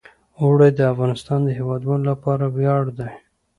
اوړي د افغانستان د هیوادوالو لپاره ویاړ دی.